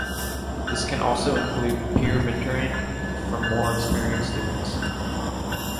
This can also include peer mentoring from more experienced students.